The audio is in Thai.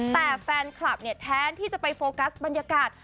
แต่แฟนคลับเนี่ยแทนที่จะไปโฟกัสบรรยากาศ